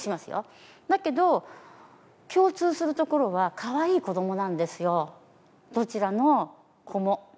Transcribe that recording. だけど共通するところはかわいい子どもなんですよどちらの子も。